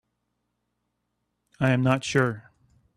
I am not sure.